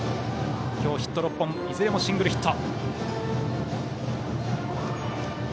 今日ヒット６本いずれもシングルヒット。